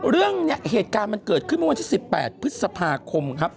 เหตุการณ์มันเกิดขึ้นเมื่อวันที่๑๘พฤษภาคมครับ